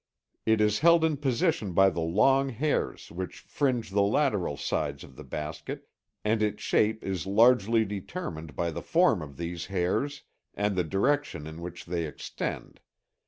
It is held in position by the long hairs which fringe the lateral sides of the basket, and its shape is largely determined by the form of these hairs and the direction in which they extend.